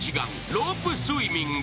ロープスイミング。